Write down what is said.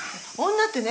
女ってね